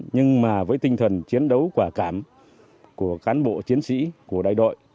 nhưng mà với tinh thần chiến đấu quả cảm của cán bộ chiến sĩ của đại đội